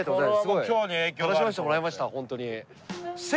すごい楽しませてもらいましたホントに。